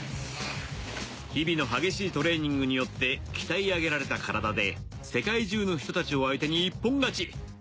日々の激しいトレーニングによって鍛え上げられた体で世界中の人たちを相手に一本勝ち。